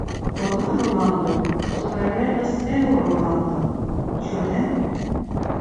Dolarolando superregas eŭrolandon – ĉu ne?